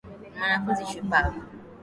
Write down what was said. Ni mwanafunzi shupavu